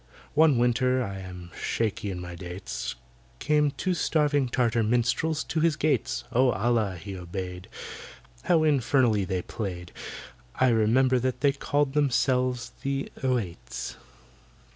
One winter—I am shaky in my dates— Came two starving Tartar minstrels to his gates; Oh, ALLAH be obeyed, How infernally they played! I remember that they called themselves the "Oüaits."